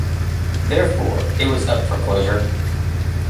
Therefore, it was up for closure.